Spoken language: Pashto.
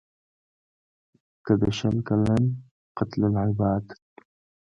که د شل کلن «قتل العباد»